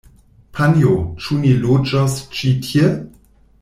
Panjo, ĉu ni loĝos ĉi tie?